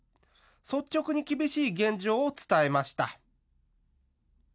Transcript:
率直に厳しい現状を伝えました。